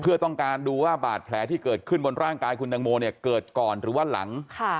เพื่อต้องการดูว่าบาดแผลที่เกิดขึ้นบนร่างกายคุณตังโมเนี่ยเกิดก่อนหรือว่าหลัง